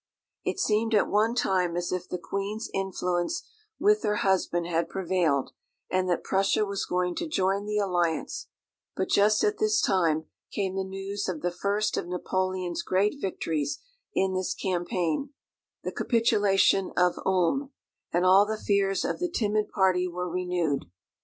It seemed at one time as if the Queen's influence with her husband had prevailed, and that Prussia was going to join the alliance; but just at this time came the news of the first of Napoleon's great victories in this campaign, the capitulation of Ulm, and all the fears of the timid party were renewed.